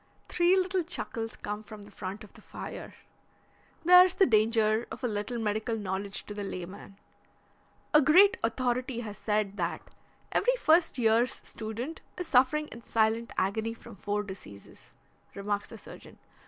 Three little chuckles come from the front of the fire. "There's the danger of a little medical knowledge to the layman." "A great authority has said that every first year's student is suffering in silent agony from four diseases," remarks the surgeon.